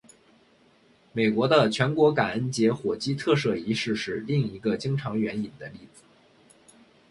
美国的全国感恩节火鸡特赦仪式是另一个经常援引的例子。